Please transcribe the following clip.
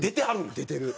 出てる。